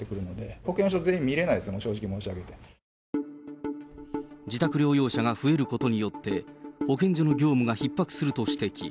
保健所全員、見れないですよ、自宅療養者が増えることによって、保健所の業務がひっ迫すると指摘。